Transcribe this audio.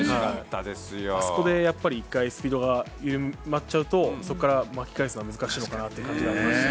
あそこで１回スピードが緩まっちゃうとそこから巻き返すのは難しいのかなという感じがありましたね。